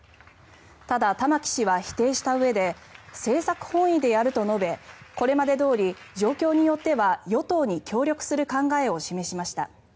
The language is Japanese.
ただ、玉木氏は否定したうえで政策本位でやると述べこれまでどおり、状況によっては与党に協力する考えを示しました。